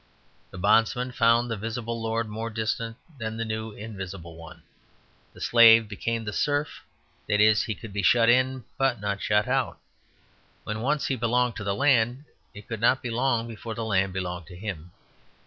The bondman found the visible Lord more distant than the new invisible one. The slave became the serf; that is, he could be shut in, but not shut out. When once he belonged to the land, it could not be long before the land belonged to him.